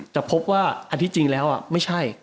แต่พบว่าอันที่จริงแล้วไม่ใช่